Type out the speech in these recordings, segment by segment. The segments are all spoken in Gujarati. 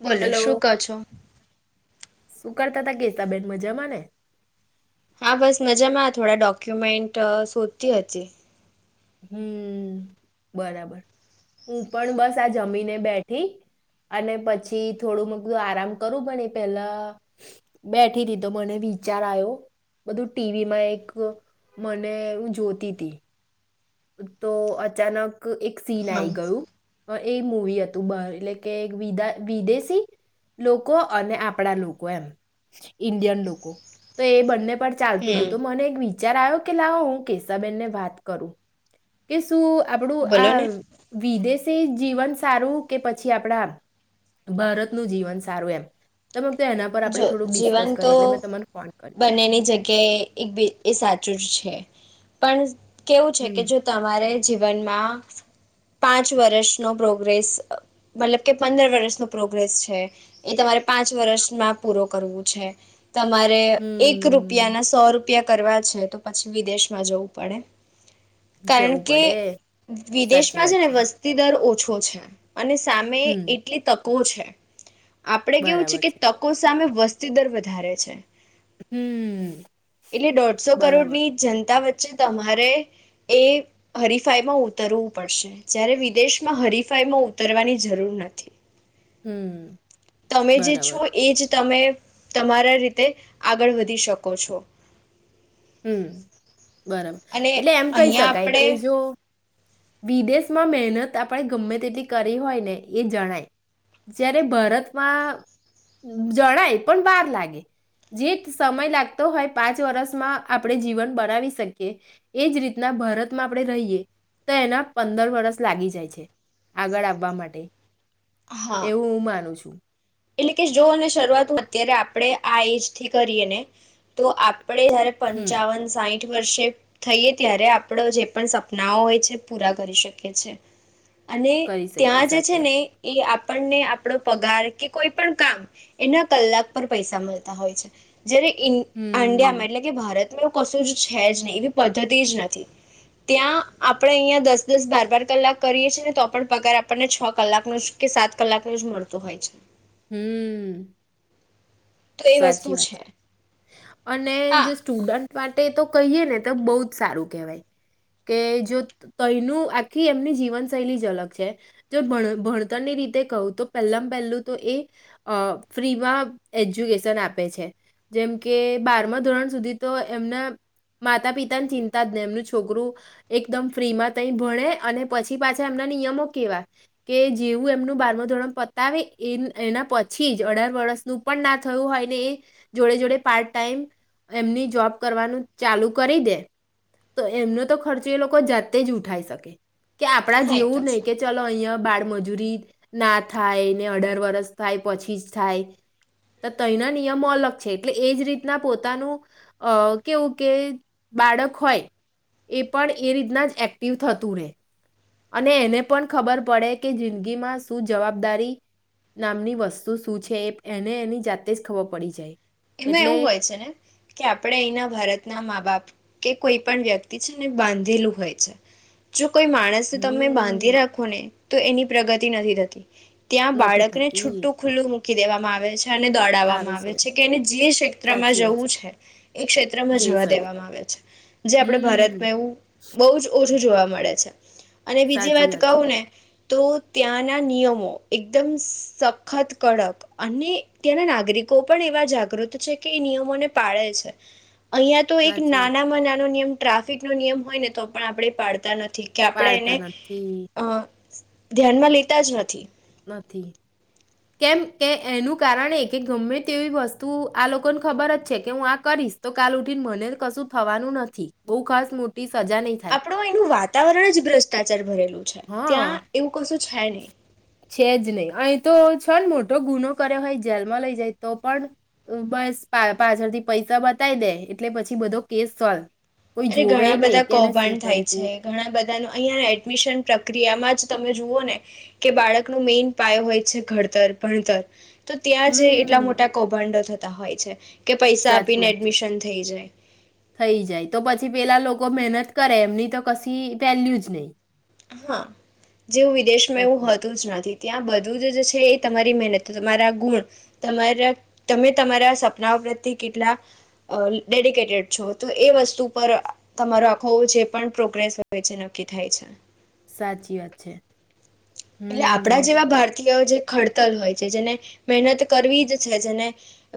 બોલો શું કો છો. સુું કરતા હતા ગીતાબેન મજામાં ને. હા બસ મજામાં થોડા ડોક્યુમેન્ટ શોધતી હતી. હમ્મ બરાબર હું પણ બસ આ જમીને બેઠી અને પછી થોડું મને બધું આરામ કરું પણ એ પેલા બેઠી હતી તો મને વિચાર આવ્યો બધું ટીવીમાં એક મને હું જોતી તી તો અચાનક એક સીન હા આઈ ગયું. એ મુવી હતું બ એટલે કે એક વિદા વિદેશી લોકો અને આપણા લોકો એમ ઇન્ડિયન લોકો તો એ બંને પર ચાલતું હમ તું તો મને એક વિ વીચાર આયો કે લાવો હું કેસાબેનને વાત કરું. કેસ તું આપણું બોલો આ ને વિદેશ તે જીવન સારું કે પછી આપણા ભારતનું જીવન સારું એમ તમે તો એના પર આપણે જો થોડુંક જીવન ડિસ્કસ કરીએ તો એટલે મેં તમને ફોન કર્યો બંનેની જગ્યાએ એકી બે એ સાચ છે પણ કેવું છે કે હમ જો તમારે જીવનમાં પાંચ વર્ષનો પ્રોગ્રેસ મતલબ કે પંદર વર્ષનો પ્રોગ્રેસ છે એ તમારે પાંચ વરસ માં પૂરો કરવું છે. તમારે એક હમ રૂપિયાના સો રૂપ રૂપિયા કરવા છે તો પછી વિદેશમાં જવું પડે. કારણ જવું કે પડે સાચી વિદેશમાં વાત છે ને વસ્તી દર ઓછો તો છે અને સામે હમ એટલી તક તકો છે આપણે કેવું છે કે સામે વસ્તી દર વધારે છે. હમ એટલે દોઢસો કરોડ બરાબર ની જનતા વચ્ચ છે તમારે એ હરીફાઈમાં ઉતરવું પડશે જયારે વિદેશમાં હરીફાઈમાં ઉતરવાની જરૂર નથી. હમ્મ, તમે જે બરાબર. છો એ જ તમે તમારા રીતે આગળ વધી શકો છો. હમ્મ. બરાબ અને એટલે એમ કહી અહીંયા શકાય આપણે કે જો વિદેશમાં મહેનત આપણે ગમે તેટલી કરી હોય ને એ જણાય. જ્યારે ભારતમાં જણાય પણ વાર લાગે. જે સમય લાગતો હોય પાંચ વરસમાં આપણે જીવન બનાવી શકીએ. એજ રીતના ભારતમાં આપણે રહીએ તો એના પંદર વરસ લાગી જાય છે આગળ આવવા માટે. હા એવું હું માનું છું. એટલે કે જો અને શરૂઆત અત્યારે આપણે આ એજ થી કરી અને તો આપ આપણે જયારે હમ પંચાવન, સાહીઠ ઠ વર્ષે થઈએ ત્યારે આપણ જે પણ સપનાઓ હોય છે પૂરા કરી શકીએ છે. અને કરી શકીએ ત્યાં જે છે સાચી વાત ને એ આપ આપણને આપણો પગાર કે કોઈ પણ કામ એના કલાક પર પૈસા મળતા હોય છે. જયારે ઈન હમ અંડિયામાં એટલે કે ભારત કશું જ છે જ નહી એવી પદ્ધતિ જ નથી. ત્યાં આપણે અહિયાં દસ દસ બાર બાર કલાક કરીએ છી ને તો પણ પગાર આપણને છ કલાકનો જ કે સાત કલાક ન જ મળતો હોય છે. હમ્મ. તો એ વસ્તુ સાચી વાત છે અને હા જે સ્ટુડન્ટ મા તો કહીએ ને તો બહુ જ સારું કહેવાય કે જો તયનું આખી એમની જીવનશૈલી જ અલગ છે. જો ભણ ભણતરની રીતે કહું તો પહેલા પહેલું એ અ ફ્રીમાં એજ્યુકેશન આપે છે. જેમ કે બારમાં ધોરણ સુધી તો એમના માતા પિતાની ચિંતા જ નય એમનું છોકરું એકદમ ફ્રીમાં તઈ ભણે અને પછી પાછા એમના નિયમો કેવા કે જેવું એમનું બારમું ધોરણ પતાવે એ એના પછી જ અઢાર વર્ષનું પણ ના થયું હોય ને એ જોડે જોડે પાર્ટ ટાઈમ એમની જોબ કરવાનું ચાલુ કરી દે તો એમનો તો ખર્ચો એ લોકો જાતે જ ઉઠાવી શકે. કે આપણા હા એ તો જેવું નય છે કે ચાલો અહિયાં બાળ મજૂરી ના થાય. અઢાર વર્ષ થાય પછી જ થાય તો તયના નિયમો અલગ છે એટલે એ જ રીતના પોતાનું કેવું કે બાળક હોય એ પણ એ રીતના જ એક્ટિવ થતું રહેે. અને એને પણ ખબર પડે કે જિંદગીમાં શું જવાબદારી નામની વસ્તુ શું છે એને એની જાતે જ ખબર પડી જાય. એમાં એટલે એવું હોય છે ને કે આપણેે અહીના ભારતના માં બાપ કે કોઈ પણ વ્યક્તિ છે ને બાંધેલું હોય છે જો કોઈ માણસ તમે હું બાંધી રાખો ને તો એની પ્રગતિ નથી થતી. ત્યાં નથી બાળકને થતી છૂટું ખુલ્લું મૂકી દેવામાં આવે છે અને દોડાવવામાં આવે છે. એને જે ક્ષેત્રમાં સાચી વાત જવું છે એ છે ક્ષેત્રમાં જઈ જવા શકે દેવામાં આવે છે જે આપણે હમ ભારતમાં એવું બહું જ ઓછું જોવા મળે છે. અને બીજી સાચી વાત છે કહું ને? તો ત્યાંના નિયમો એકદમ સખત કડક અને ત્યાંના નાગરિકો પણ એવા જાગૃત છે કે એ નિયમોને પાળે છે. અહિયાં તો એક સાચી વાત છે. નાનામાં નાનો નિયમ ટ્રાફિક નો નિયમ હોય ને તો પણ આપણેે પાડતા નથી. કે આપણે એને પાડતા નથી અ ધ્યાનમાં લેતા જ નથી. [inaudible] કેમ કે એનું કારણ એ કે ગમે તેવી વસ્તુ આ લોકોને ખબર જ છે કે હું આ કરીશ તો કાલ ઉઠીને મને કશું થવાનું નથી બહુ ખાસ મોટી સજા નહીં થાય આપણો અયનું વાતાવરણ જ ભ્રષ્ટાચાર ભરેલું છે હા ત્યાં એવું કશું છેણે. છે જ નય અહીં તો છને મોટો ગુનો કર્યો હોય જેલમાં લઈ જાય તો પણ બસ પાછળથી પૈસા બતાય દેય એટલે પછી બધો કેસ સોલ્વ. કોઈ અરે જોવે ઘણા નહીં બધા કે એને શું કૌભાંડ થાય કર્યું તું છે ઘણા બધા નું અહિયાં એડમિશન પ્રક્રિયામાં જ તમે જુઓ ને કે બાળકનું મેઈન પાયો હોય છે ઘડતર, ભણતર. તો ત્યાં જે એટલા હમ મોટા કૌભાંડો થત હોય છે. કે પૈસા સાચી આપીને વાત છે. એડમિશન થઈ જાય. થઈ જાય તો પછી પેલા લોકો મહેનત કરે એમની તો કશીં વેલ્યુ જ નય. હા જેવું વિદેશમાં એવું સાચી હોતું જ નથી. ત્યાં બધું જ છે એ તમારી મહેનત તમારા ગુણ તમારા તમે તમારા સપનાઓ પ્રત્યે કેટલા ડેડિકેટેડ છો તો એ વસ્તુ પર તમારો આખો જે પણ પ્રોગ્રેસ હોય છે નક્કી થાય છે. સાચી વાત છે. એટલે આપણા હમ જેવા ભારતી જે ખડતલ હોય છે જેને મહેનત કરવી જ છે જેને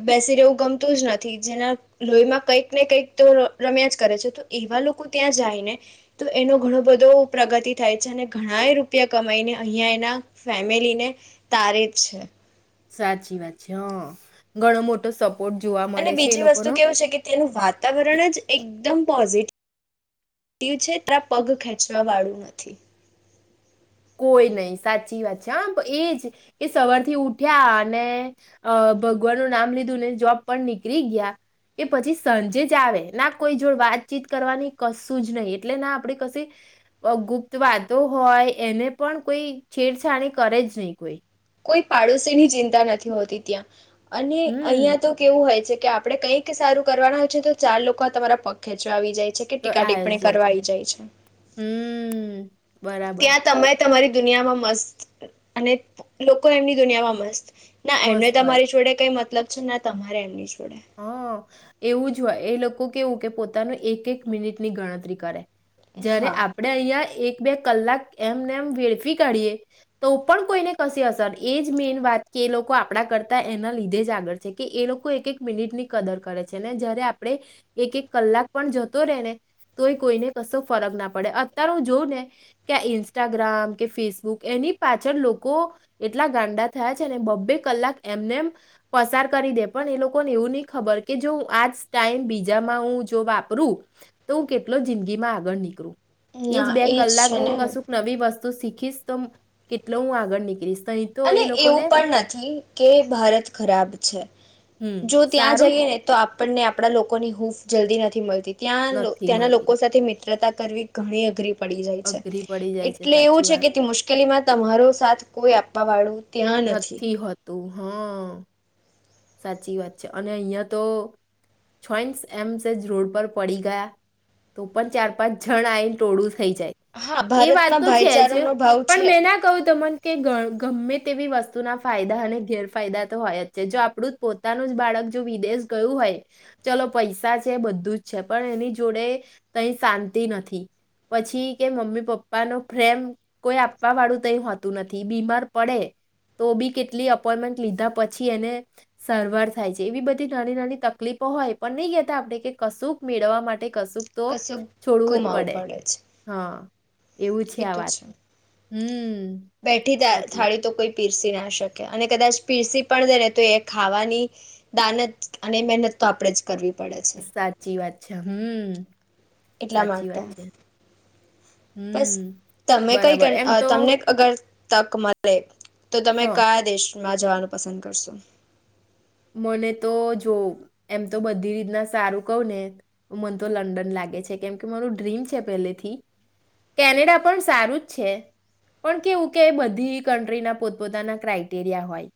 બેસી રહેવું ગમતું જ નથી જેના લોહીમાં કંઈક ને કંઈક તો રમ્યા જ કરે છે તો એવા લોકો ત્યાં જાયને તો એનો ઘણો બધો પ્રગતિ થાય છે અને ઘણાય રૂપિયા કમાઈને અહીંયા એના ફેમિલીને તારે જ છે. સાચી વાત છે હ ઘણો મોટો સપ અને બીજી વસ્તુ કેવું છે કે તેનું વાતાવરણ જ એકદમ પોઝિટ ું છે તા પગ ખેંચવા વાળું નથી. કોઈ નહી સાચી વાત છે હમ એ જ કે સવારથી ઉઠ્યા અને ભગવાનનું નામ લીધું ને જોબ પણ નીકળી ગયા એ પછી સાંજે જ આવે ના કોઈ જો વાતચીત કરવાની કશું જ નહી એટલે ના આપે કશ ગુપ્ત વાતો હોય. એને પણ કોઈ છેડછાણી કરે જ નહી કોઈ. કોઈ પાડોશીની ચિંતા નથી હોતી ત્યાં. અને હમ અહિયાં તો કેવું હોય છે કે આપડે કંઈક સારું કરવાના હોય છે તો ચાર લોકો તમારા પગ ખેચવા આવી જાય. છે કે ટીકા આવે જ ટિપ્પણી જાય કરવા છે આવી હમ. બરાબર. ત્યાં તમે તમારી દુનિયામાં મસ્ત અને લોકો એમની દુનિયામાં મસ્ત. ના એમને મસ્ત હોય તમારી જોડે કઈ મ મતલબ છે ના તમારે એમની જોડ [unintelligible] હ એવું જ હોય એ લોકો કેવું કે પોતાનું એક એક મિનિટની ગણતરી કરે. જયારે હા આપડે અહિયા એક બે કલાક એમને એમ વેડફી કાઢીએ તો પણ કોઈને કશે અસર એ જ મેન વાત કે એ લોકો આપણા કરતા એના લીધે જ આગળ છે કે એ લોકો એક એક મિનિટ ની કદર કરે છે ને જયારે આપણે એક એક કલાક પણ જતો રહેે ને તો એ કોઈને કશો ફરક ના પડે અત્યારે હું જોઉં ને કે આ ઇન્સ્ટાગ્રામ કે ફેસબુક એની પાછળ લોકો એટલા ગાંડા થયા છે ને બબ્બે કલાક એમને એમ પસાર કરી દે પણ એ લોકો લોકોને એવું નહી ખબર કે જો હું આજ ટાઈમ બીજામાં હું જો વાપરું તો હું કેટલો જિંદગીમાં આગળ નીકળું. એજ ના બે કલાક છે હું ને કશુંક નવી વસ્તુ તો શીખીશ તો કેટલો હું આગળ નીકળીશ. નહી તો અને એ એવું લોકોને પણ નથી કે ભારત ખરાબ છે. હમ જો ત્યાં સારું જઈએ ને તો આપ પણને આપણા લોકોની હૂફ જલ્દી નથી મળતી. ત્યાં જ નથી ત્યાંના મળતી લોકો સાથે મિ [unintelligible] તા કરવી ઘણી અઘરી પડી જાય છે. અઘરી પડી જાય એટલે એવું સાચી છે વાત કે તે મુશ્કેલીમાં તમારો સાથ કોઈ આપ [unintelligible] વાળું નથી હોતું. હા. સાચી વાત છે, અને અહિયાં તો છોયન્સ એમ સેજ રોડ પર પડી ગયા તો પણ ચાર પાંચ જણાએ ટોળું થઈ જાય, હા એ વાત ભારતમાં તો છે જ, ભાઈચારોનો ભાવ પણ છે મેં ના કહ્યું તમન કે ગર ગમે તેવી વસ્તુ ના ફાયદા અને ગેરફાયદા તો હોય જ છે. જો આ પણું પોતાનું જ બાળક જો વિદેશ ગયું હોય, ચલો પૈસા છે બધું જ છે, પણ એની જોડે કંઈ શાંતિ નથી. પછી કે મમ્મી પપ્પા નો ફ્રેમ કોઈ આપવા વાળું તઈ હોતું નથી. બીમાર પડે તો બી કેટલી અપોઈમેન્ટ લીધા પછી એને સારવાર થાય છે. એવી બધી નાની-નાની તકલીફો હોય, પણ નહીં કહેતા આપણે કે કશુંક મેળવવા માટે કશુંક તો કશું છોડવું જ ગુમાવવું પડે. છે હા એવું છે એ આ તો વાત. હમ્મ, બેઠી થા- સાચી વાત. થાળી તો કોઈ પીરસી ના શકે, અને કદાચ પીરસી પણ દે ને તો એ ખાવાની દાન જ, અને મહેનત તો આપણે જ કરવી પડે છે. અચ્છા હમ એટલા સાચી માટે વાત છે બસ હમ તમે કઈ બરાબર કન્ટ એમ તો તમને અગર તક મળે તો તમે હા કયા દેશ માં જવાનું પસંદ કરશું મને તો જો એમ તો બધી રીતના સારું કહું ને મને તો લંડન લાગે છે કેમકે મારુ ડ્રીમ છે પહેલેથી કેનેડા પણ સારું જ છે પણ કેવું કે બધી કન્ટ્રીના પોતપોતાના ક્રાઈટેરિયા હોય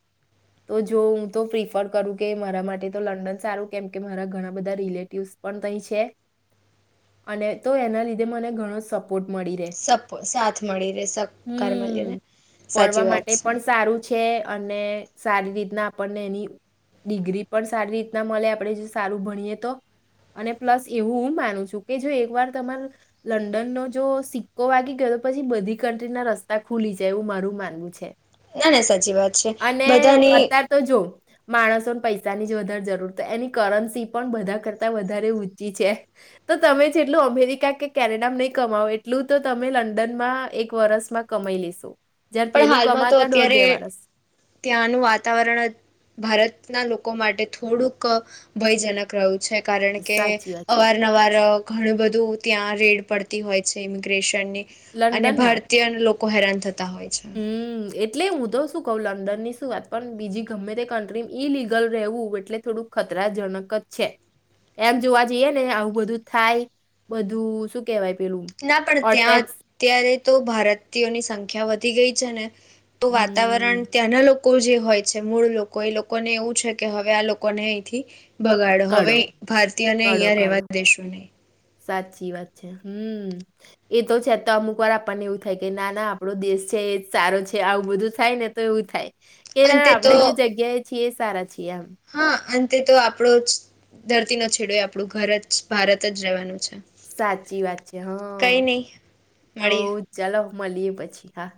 તો જો હું તો પ્રિફ ફર કરુ કે મારા માટે તો લંડન સારું કેમ કેરા ઘણા બધા રિલેટિવ પણ છે અને તો એના લીધે મને ઘણો સપોર્ટ મળી રહે સપ સાથ મળી રે સપકાર હમ મળીને ફરવા સાચી વાત માટે છે પણ સારું છે અને સારી રીતના આપણને એની ડિગ્રી પણ સારી રીતના મળે આપણે જો સારું ભણીએ તો અને પ્લસ એવું હું માનું છું કે જો એક વાર તમાર લંડનનો જો સિક્કો વાગી ગયો તો પછી બધી કન્ટ્રી ના રસ્તા ખુલી જાય એવું મારું માનવું છે ના ના સાચી વાત છે બધાની માણસો પૈસાની જ વધારે જરૂર તો એની કરન્સી પણ બધા કરતા વધારે ઊંચી છે તો તમે જેટલું અમેરિકા કે કેનેડામાં નહી કમાવો એટલું તો તમે લંડનમાં એક વરસમાં કમાઈ લેશો જયાર પણ પેલું હાલમાં તો કમાતા દોઢ બે અત્યારે વર્ષ ત્યાંનું વાતાવરણ જ ભારતના લોકો માટે થોડુંક ભયજનક રહ્યું છે કારણ કે સાચી વાત છે અવારનવાર ઘણું બધું ત્યાં રેડ પડતી હોય છે ઇમિગ્રેશન અને લંડનમાં ભારતીય ન લોકો કો હેરાન થત તા હોય છે હમ એટલે હું તો શું કહ લંડન ની શું વાત પણ બીજી ગમે તે કન્ટ્રી ઈલિગલ રહેવું એટલે થોડુંક ખતરાજનક જ છે એમ જોવા જઈએ ને આવું બધું થાય બધું શું કેવાય ના પણ ત્યાં અત્યારે તો ભારતીયોની સંખ્યા વધી ગઈ છે ને તો હમ વાતાવરણ ત્યાંના લોકો લોકો જે હોય છે મૂળ લોકો એ લોકોને એવું છે કે હવે આ લોકોને અહીંથી ભગાડો હવે કાઢો ભારતીયને કાઢો અહિયાં કાઢો રહેવાના દેશો નહી સાચી વાત છે હમ એ તો છે તો અમુક વાર આપણને એવું થાય કે ના ના આપડો દેશ છે એ સારો છે આવું બધું થાય ને તો એવું થાય કે અંતે તો આપડે જે જગ્યાએ છી એ સારા છે હા અંત તે તો આપડો જ ધરતી નો છેડો આપણું ઘર જ ભારત જ રહેવાનું છે સાચી વાત છે હા કઈ નહી હો મળીએ ચાલો મળીએ પછી હા